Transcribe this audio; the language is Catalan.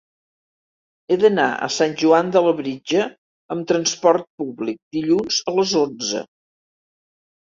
He d'anar a Sant Joan de Labritja amb transport públic dilluns a les onze.